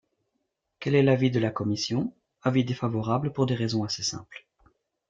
Quel est l’avis de la commission ? Avis défavorable pour des raisons assez simples.